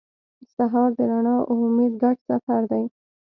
سهار د رڼا او امید ګډ سفر دی.